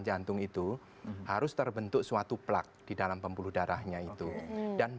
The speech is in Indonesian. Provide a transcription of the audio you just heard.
jantung itu harus terbentuknya jadi sebelum terjadinya orang serangan jantung itu harus